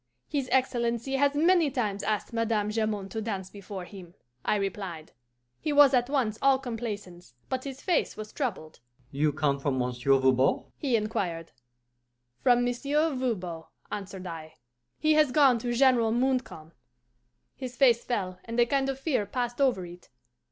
'His Excellency has many times asked Madame Jamond to dance before him,' I replied. He was at once all complaisance, but his face was troubled. 'You come from Monsieur Voban?' he inquired. 'From Monsieur Voban,' answered I. 'He has gone to General Montcalm.' His face fell, and a kind of fear passed over it.